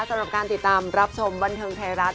สำหรับการติดตามรับชมบันเทิงไทยรัฐ